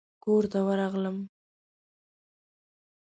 کورته ورغلم.